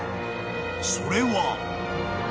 ［それは］